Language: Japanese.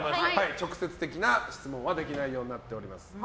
直接的な質問はできないようになっています。